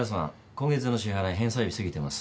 今月の支払い返済日過ぎてます。